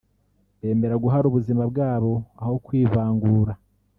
bemera guhara ubuzima bwabo aho kwivangura